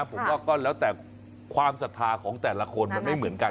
ผมว่าก็แล้วแต่ความศรัทธาของแต่ละคนมันไม่เหมือนกัน